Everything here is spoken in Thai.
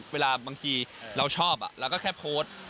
เวลาบางทีเราชอบแล้วก็แค่โพสต์